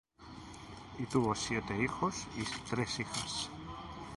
Y tuvo siete hijos y tres hijas.